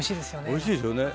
おいしいですよね